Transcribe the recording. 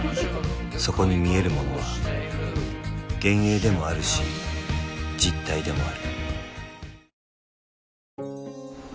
［そこに見えるものは幻影でもあるし実体でもある］